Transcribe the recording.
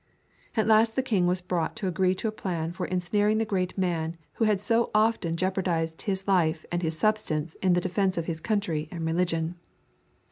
At last the king was brought to agree to a plan for ensnaring the great man who so often jeoparded his life and his substance in the defence of his country and religion.